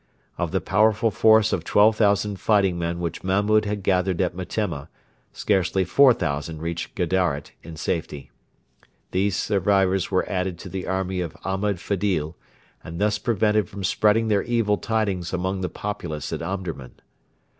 Of the powerful force of 12,000 fighting men which Mahmud had gathered at Metemma, scarcely 4,000 reached Gedaret in safety. These survivors were added to the army of Ahmed Fedil, and thus prevented from spreading their evil tidings among the populace at Omdurman.